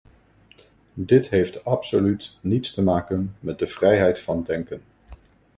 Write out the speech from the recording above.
Dit heeft absoluut niets te maken met de vrijheid van denken.